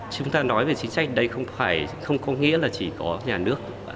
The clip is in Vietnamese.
chúng ta nói về chính trách đấy không có nghĩa là chỉ có nhà nước